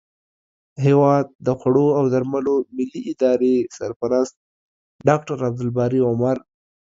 هیواد د خوړو او درملو ملي ادارې سرپرست ډاکټر عبدالباري عمر